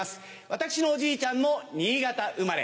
私のおじいちゃんも新潟生まれ。